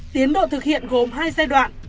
tiến độ thực hiện gồm hai giai đoạn